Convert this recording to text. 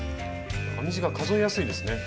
編み地が数えやすいですね。